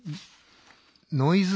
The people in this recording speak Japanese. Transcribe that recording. ノイズ。